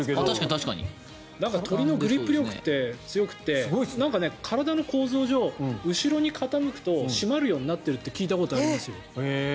鳥のグリップ力って強くて体の構造上、後ろに傾くと締まるようになってるって聞いたことありますよ。